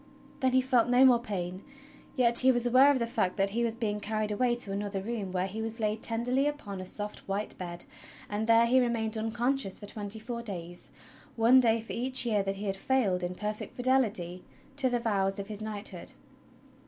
Then he felt no more pain, yet he was aware of the fact that he was being carried away to another room where he was laid tenderly upon a soft white bed; and there he remained unconscious for tw^enty four days — one day for each year that he had failed in perfect fidelity to the vows of his knighthood.